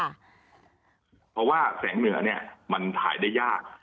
เพราะว่าแสงเหนือเนี่ยมันถ่ายได้ยาก